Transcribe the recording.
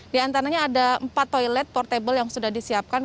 di antaranya ada empat toilet portable yang sudah disiapkan